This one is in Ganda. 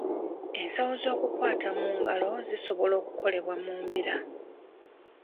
Ensawo z'okukwata mu ngalo zisobola okukolebwa mu mbira.